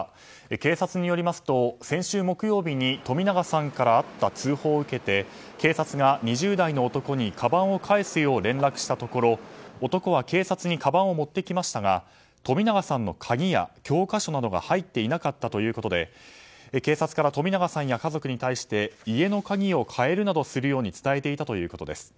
警察によりますと先週木曜日に冨永さんからあった通報を受けて警察が２０代の男にかばんを返すよう連絡したところ男は警察にかばんを持ってきましたが冨永さんの鍵や教科書などが入っていなかったということで警察から冨永さんや家族に対して家の鍵を替えるようにするなど伝えていたということです。